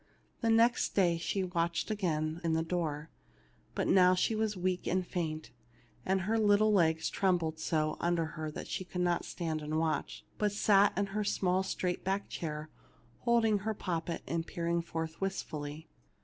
The next day she watched again in the door ; but now she was weak and faint, and her little legs trembled so under her that she could not stand to watch, but sat in her small straight backed chair, holding her poppet and peering forth wistfully.